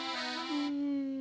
うん。